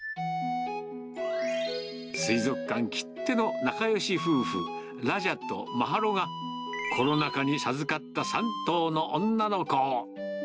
水族館きっての仲よし夫婦、ラジャとマハロが、コロナ禍に授かった３頭の女の子。